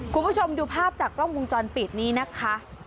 คุณผู้ชมดูภาพจากกล้องวงจรปิดนี้นะคะ